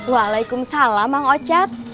waalaikumsalam mang ocat